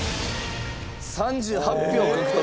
３８票獲得。